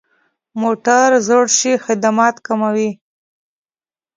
موټر زوړ شي، خدمت کموي.